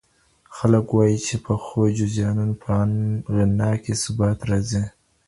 خلګ وايي چي د پخو جريانونو په غنا کي ثبات راځي.